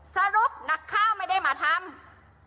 สรุปนักข้าวไม่ได้มาทำ